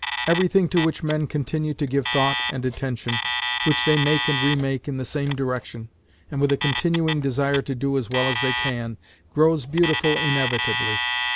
Everything to which men continue to give thought and attention, which they make and remake in the same direction, and with a continuing desire to do as well as they can, grows beautiful inevitably.